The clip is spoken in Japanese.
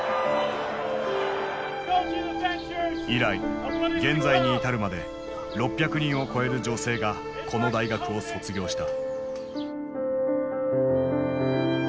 以来現在に至るまで６００人を超える女性がこの大学を卒業した。